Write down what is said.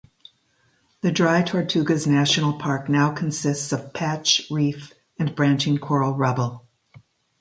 The Dry Tortugas National Park now consists of patch reef and branching coral rubble.